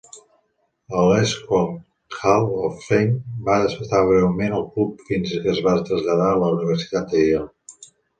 El Squash Hall of Fame va estar breument al club fins que es va traslladar a la Universitat de Yale.